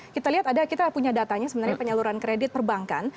kita lihat ada kita punya datanya sebenarnya penyaluran kredit perbankan